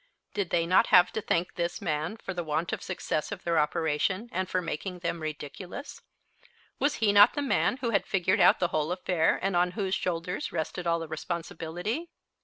Did they not have to thank this man for the want of success of their operation and for making them ridiculous? Was he not the man who had figured out the whole affair and on whose shoulders rested all the responsibility?